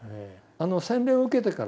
あの洗礼を受けてからね